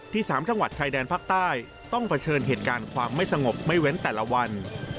๓จังหวัดชายแดนภาคใต้ต้องเผชิญเหตุการณ์ความไม่สงบไม่เว้นแต่ละวัน